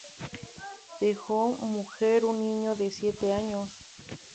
Dejó mujer un niño de siete años.